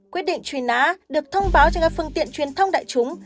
quyết định trùy ná được thông báo cho các phương tiện truyền thông đại chúng